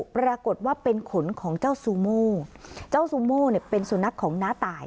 ปรากฏว่าเป็นขนของเจ้าซูโม่เจ้าซูโม่เนี่ยเป็นสุนัขของน้าตาย